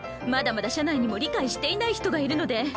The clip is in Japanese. まだまだ社内にも理解していない人がいるので。